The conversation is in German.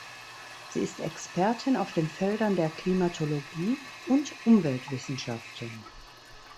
Sie ist Expertin auf den Feldern der Klimatologie und Umweltwissenschaften.